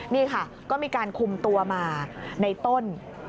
นี่ค่ะก็มีการคุมตัวมาในต้น